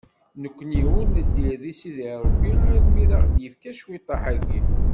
Nekkni ur neddir deg Sidi Rebbi almi i aɣ-d-yefka cwiṭeḥ-agi.